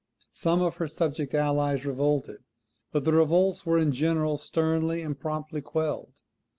Some of her subject allies revolted, but the revolts were in general sternly and promptly quelled.